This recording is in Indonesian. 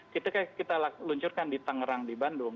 ketika kita luncurkan di tangerang di bandung